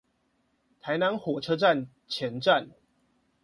臺南火車站前站